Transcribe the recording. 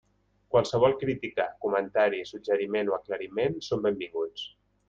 Qualsevol crítica, comentari, suggeriment o aclariment són benvinguts.